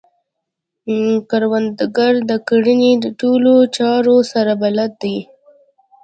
کروندګر د کرنې د ټولو چارو سره بلد دی